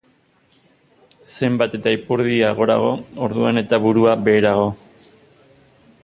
Zenbat eta ipurdia gorago, orduan eta burua beherago.